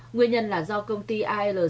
nguyên nhân là do công ty alc hai